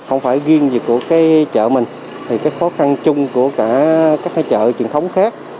không phải ghiêng gì của chợ mình thì cái khó khăn chung của cả các chợ truyền thống khác